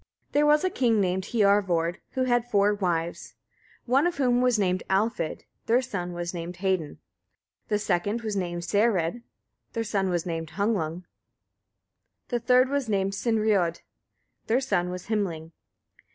There was a king named Hiorvard, who had four wives, one of whom was named Alfhild, their son was named Hedin; the second was named Særeid, their son was Humlung; the third was named Sinriod, their son was Hymling.